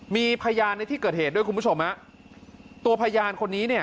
มีพยานในที่เกิดเหตุด้วยคุณผู้ชมฮะตัวพยานคนนี้เนี่ย